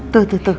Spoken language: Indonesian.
tuh tuh tuh